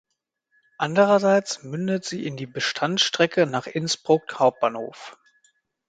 Anderseits mündet sie in die Bestandsstrecke nach Innsbruck Hbf.